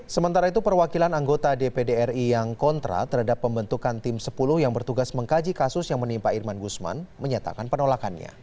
sementara itu perwakilan anggota dpd ri yang kontra terhadap pembentukan tim sepuluh yang bertugas mengkaji kasus yang menimpa irman gusman menyatakan penolakannya